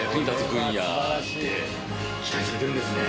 期待されてるんですね。